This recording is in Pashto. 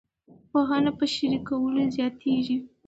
پوهه په شریکولو زیاتیږي.